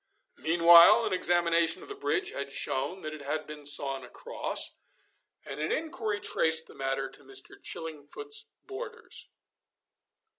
Meanwhile an examination of the bridge had shown that it had been sawn across, and an inquiry traced the matter to Mr. Chillingfoot's boarders.